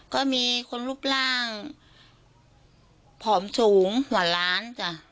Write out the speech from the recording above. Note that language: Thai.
ก็มีคนรูปร่างผอมสูงหวั่นล้าน